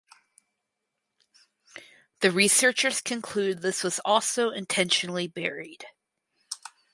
The researchers concluded that this also was intentionally buried.